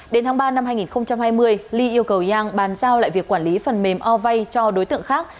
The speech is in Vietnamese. đến tháng ba năm hai nghìn hai mươi ly yêu cầu giang bàn giao lại việc quản lý phần mềm o vay cho đối tượng khác